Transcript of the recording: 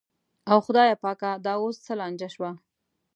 او خدایه پاکه دا اوس څه لانجه شوه.